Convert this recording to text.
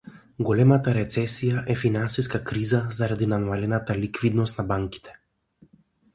Големата рецесија е финансиска криза заради намалената ликвидност на банките.